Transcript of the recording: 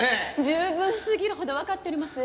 十分すぎるほどわかっております。